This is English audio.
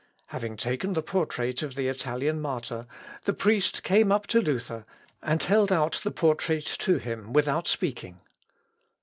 Having taken the portrait of the Italian martyr, the priest came up to Luther, and held out the portrait to him without speaking.